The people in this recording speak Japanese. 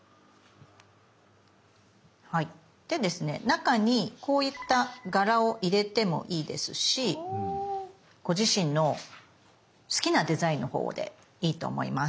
でですね中にこういった柄を入れてもいいですしご自身の好きなデザインのほうでいいと思います。